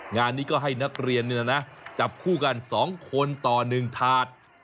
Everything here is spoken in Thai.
งานนี้ก็ให้นักเรียนจับคู่กัน๒คนต่อ๑ถาด